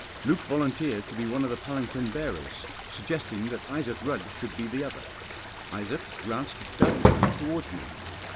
Luke volunteered to be one of the palanquin bearers, suggesting that Isaac Rudd should be the other. Isaac glanced doubtfully towards me.